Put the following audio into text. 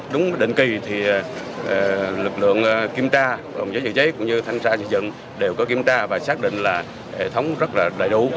đúng định kỳ thì lực lượng kiểm tra giới dự chế cũng như thanh xa dự dựng đều có kiểm tra và xác định là hệ thống rất là đầy đủ